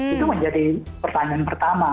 itu menjadi pertanyaan pertama